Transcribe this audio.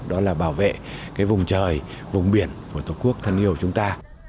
đó là bảo vệ cái vùng trời vùng biển của tổ quốc thân yêu chúng ta